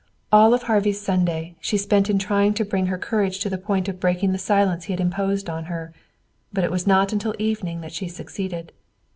All of Harvey's Sunday she spent in trying to bring her courage to the point of breaking the silence he had imposed on her, but it was not until evening that she succeeded.